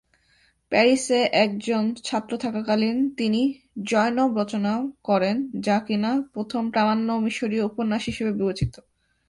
প্যারিসে একজন ছাত্র থাকাকালীন তিনি"যয়নব" রচনা করেন যা কিনা প্রথম প্রামাণ্য মিশরীয় উপন্যাস হিসাবে বিবেচিত।